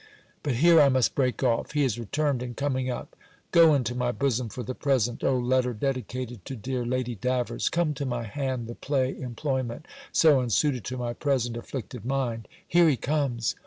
But here I must break off. He is returned, and coming up. "Go into my bosom for the present, O letter dedicated to dear Lady Davers Come to my hand the play employment, so unsuited to my present afflicted mind!" Here he comes!